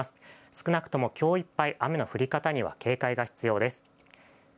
少なくとも、きょういっぱい、雨の降り方には警戒が必要です。